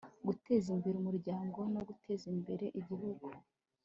guteza imbere umuryango no guteza imbere igihugu